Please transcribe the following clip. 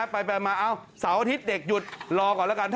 ไปมาเสาร์อาทิตย์เด็กหยุดรอก่อนแล้วกัน